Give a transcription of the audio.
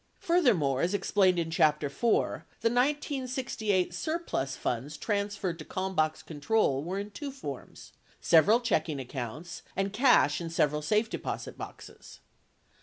Furthermore, as explained in chapter 4, the 1968 surplus funds transferred to Kalm bach's control were in two forms — several checking accounts and cash in several safe deposit boxes.